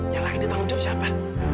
yang lagi ditanggung jawab siapa